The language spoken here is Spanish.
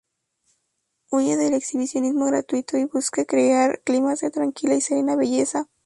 Huye del exhibicionismo gratuito y busca crear climas de tranquila y serena belleza.